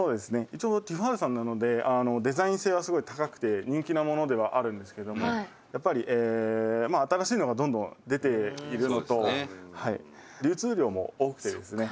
一応ティファールさんなのでデザイン性はすごい高くて人気なものではあるんですけどもやっぱり新しいのがどんどん出ているのと流通量も多くてですね」